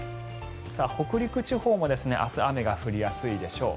北陸地方も明日雨が降りやすいでしょう。